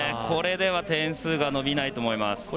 これでは点数が伸びないと思います。